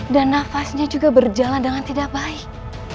dan nafasnya juga berjalan dengan tidak baik